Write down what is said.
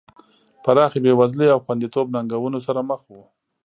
پراخې بېوزلۍ او خوندیتوب ننګونو سره مخ وو.